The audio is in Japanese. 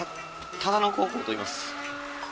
唯野高校といいます。